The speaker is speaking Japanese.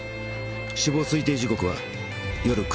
死亡推定時刻は夜９時前後。